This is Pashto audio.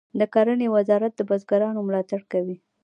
د کرنې وزارت د بزګرانو ملاتړ کوي